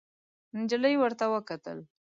نجلۍ ورته وکتل.